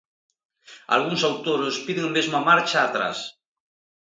Algúns autores piden mesmo a marcha atrás.